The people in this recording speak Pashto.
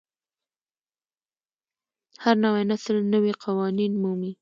هر نوی نسل نوي قوانین مومي.